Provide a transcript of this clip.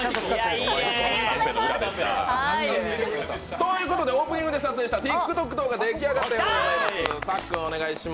ということで、オープニングで撮影したＴｉｋＴｏｋができたようです。